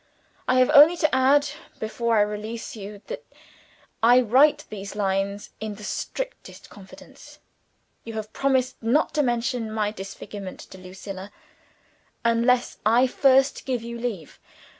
"I have only to add, before I release you, that I write these lines in the strictest confidence. You have promised not to mention my disfigurement to Lucilla, unless I first give you leave.